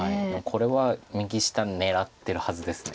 これは右下狙ってるはずです。